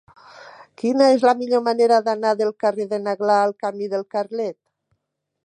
Quina és la millor manera d'anar del carrer de n'Aglà al camí del Carlet?